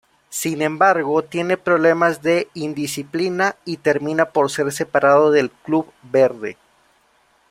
Sin embargo tiene problemas de indisciplina y termina por ser separado del club verde.